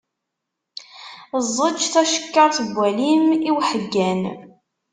Ẓẓeǧǧ tacekkart n walim i uḥeggan.